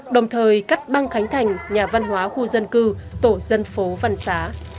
đồng thời cắt băng khánh thành nhà văn hóa khu dân cư tổ dân phố văn xá